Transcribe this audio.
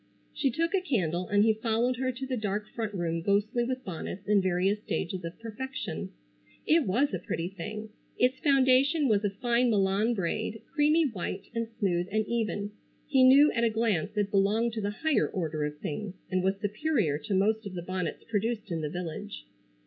She took a candle and he followed her to the dark front room ghostly with bonnets in various stages of perfection. It was a pretty thing. Its foundation was of fine Milan braid, creamy white and smooth and even. He knew at a glance it belonged to the higher order of things, and was superior to most of the bonnets produced in the village.